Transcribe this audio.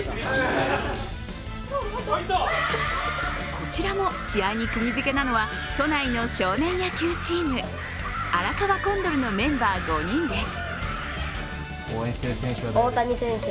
こちらも試合にくぎづけなのは都内の少年野球チーム、荒川コンドルのメンバー５人です。